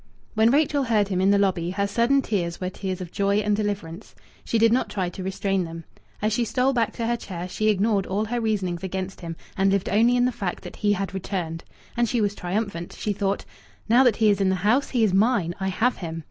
When Rachel heard him in the lobby her sudden tears were tears of joy and deliverance. She did not try to restrain them. As she stole back to her chair she ignored all her reasonings against him, and lived only in the fact that he had returned. And she was triumphant. She thought: "Now that he is in the house, he is mine. I have him.